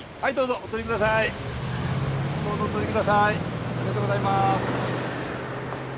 ありがとうございます。